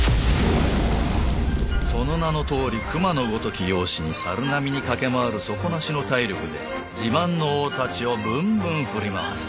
その名の通り熊のごとき容姿に猿並みに駆け回る底なしの体力で自慢の大太刀をぶんぶん振り回す。